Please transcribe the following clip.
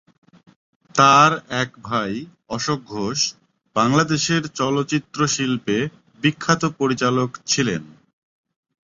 তার এক ভাই অশোক ঘোষ বাংলাদেশের চলচ্চিত্র শিল্পে বিখ্যাত পরিচালক ছিলেন।